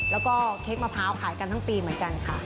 แล้วก็เค้กมะพร้าวขายกันทั้งปีเหมือนกันค่ะ